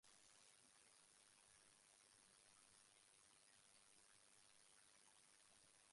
He is known as Palash in the entertainment arena of Bangladesh.